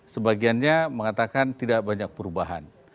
sebagiannya mengatakan tidak banyak perubahan